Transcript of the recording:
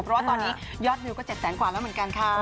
เพราะว่าตอนนี้ยอดวิวก็๗แสนกว่าแล้วเหมือนกันค่ะ